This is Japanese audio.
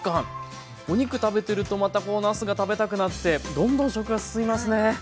お肉食べてるとまたなすが食べたくなってどんどん食が進みますね！